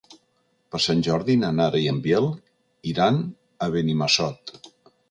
Per Sant Jordi na Nara i en Biel iran a Benimassot.